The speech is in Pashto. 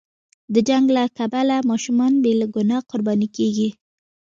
د جنګ له کبله ماشومان بې له ګناه قرباني کېږي.